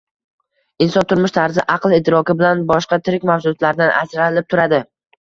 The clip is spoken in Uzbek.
Inson turmush tarzi, aql-idroki bilan boshqa tirik mavjudotlardan ajralib turadi.